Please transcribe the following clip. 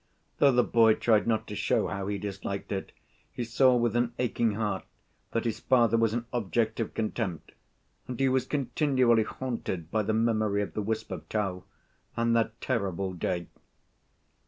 Though the boy tried not to show how he disliked it, he saw with an aching heart that his father was an object of contempt, and he was continually haunted by the memory of the "wisp of tow" and that "terrible day."